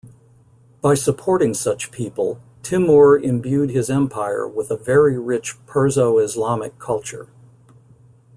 By supporting such people, Timur imbued his empire with a very rich Perso-Islamic culture.